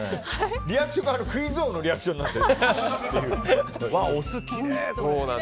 リアクションがクイズ王のリアクションなんだよな。